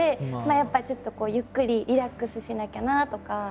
やっぱちょっとゆっくりリラックスしなきゃなとか。